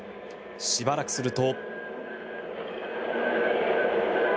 しばらくすると。